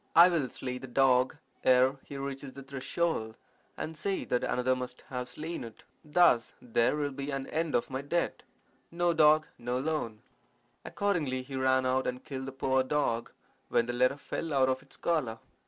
I will slay the dog ere he reaches the threshold, and say that another must have slain it. Thus there will be an end of my debt. No dog, no loan.' Accordingly he ran out and killed the poor dog, when the letter fell out of its collar.